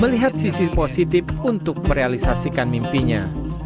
melihat sisi positif untuk merealisasikan mimpinya